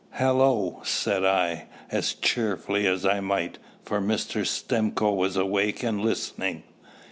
"Hallo!" said I, as cheerfully as I might, for Mr. Stimcoe was awake and listening.